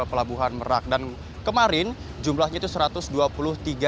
pelabuhan merak dan kemarin jumlahnya itu berapa banyak penumpang yang sudah menyeberang dari pelabuhan